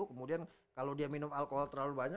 kemudian kalau dia minum alkohol terlalu banyak